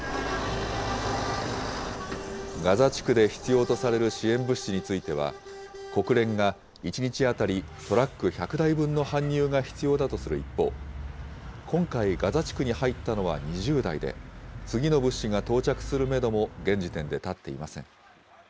ガザ地区で必要とされる支援物資については、国連が１日当たりトラック１００台分の搬入が必要だとする一方、今回、ガザ地区に入ったのは２０台で、次の物資が到着するメドも現時点で立っていません。